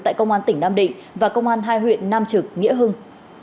tại công an tỉnh nam định và công an hai huyện nam trực nghĩa hưng